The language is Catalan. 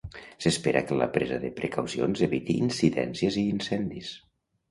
S'espera que la presa de precaucions eviti incidències i incendis.